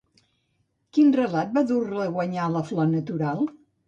Quin relat va dur-la a guanyar la Flor Natural?